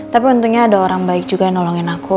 tapi tentunya ada orang baik juga yang nolongin aku